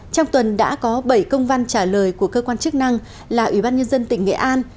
trong tuần đã có bảy công văn trả lời của cơ quan chức năng là ủy ban nhân dân tỉnh nghệ an